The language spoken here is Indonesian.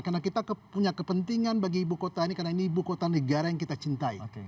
karena kita punya kepentingan bagi ibu kota ini karena ini ibu kota negara yang kita cintai